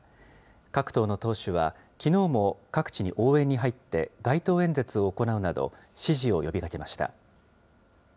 各党の党首は、きのうも各地に応援に入って、街頭演説を行うなど、支持を呼びかけました。